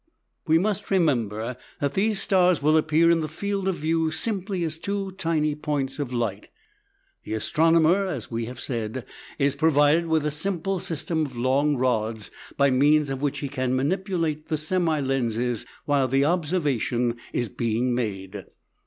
We must remember that these stars will appear in the field of view simply as two tiny points of light. The astronomer, as we have said, is provided with a simple system of long rods, by means of which he can manipulate the semi lenses while the observation is being made.